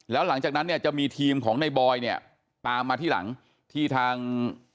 แล้วหลังจากนั้นเนี่ยจะมีทีมของในบอยเนี่ยตามมาที่หลังที่ทาง